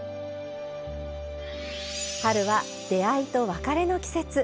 春は出会いと別れの季節。